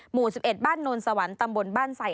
หมู่๑๑บ้านโนนสวรรค์ตำบลบ้านใส่